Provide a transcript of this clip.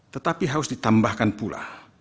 tetapi harus ditambahkan pula